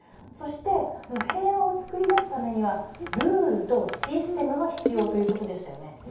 そして平和を創り出すためにはルールとシステムが必要という事でしたよね。